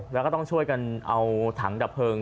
แล้วก็ต้องช่วยกันเอาถังดับเพลิง